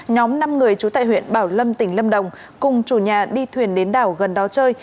nhóm năm người trú tại huyện bảo lâm tỉnh lâm đồng cùng chủ nhà đi thuyền đến đảo gần đó chơi